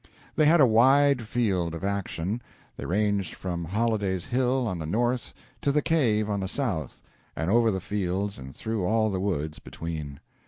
They had a wide field of action: they ranged from Holliday's Hill on the north to the cave on the south, and over the fields and through all the woods between.